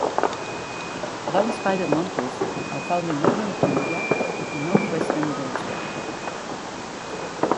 Brown spider monkeys are found in northern Colombia and northwestern Venezuela.